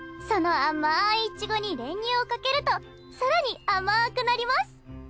その甘いイチゴに練乳をかけると更に甘くなります！